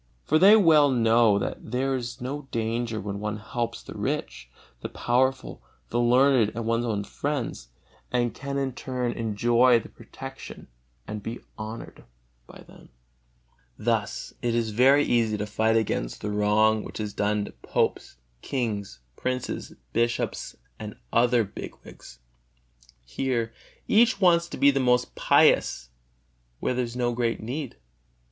For they well know that there is no danger when one helps the rich, the powerful, the learned and one's own friends, and can in turn enjoy their protection and be honored by them. Thus it is very easy to fight against the wrong which is done to popes, kings, princes, bishops and other big wigs. Here each wants to be the most pious, where there is no great need.